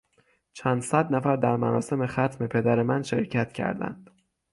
چند صد نفر در مراسم ختم پدر من شرکت کردند.